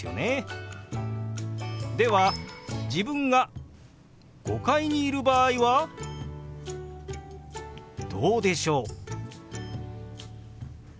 では自分が５階にいる場合はどうでしょう？